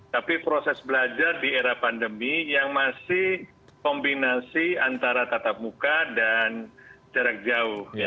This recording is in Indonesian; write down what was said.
tapi proses belajar di era pandemi yang masih kombinasi antara tatap muka dan jarak jauh